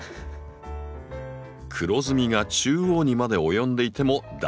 黒ずみが中央にまで及んでいても大丈夫。